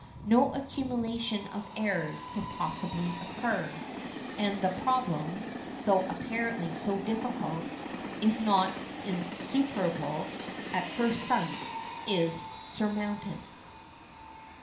No accumulation of errors can possibly occur, and the problem, though apparently so difficult, if not insuperable, at first sight, is surmounted.